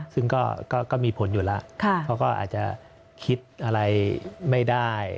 ซึ่งก็มีผลอยู่แล้วเขาก็อาจจะคิดอะไรไม่ได้